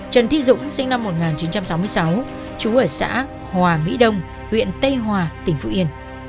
trần thi dũng sinh năm một nghìn chín trăm sáu mươi sáu trú ở xã hòa mỹ đông huyện tây hòa tỉnh phú yên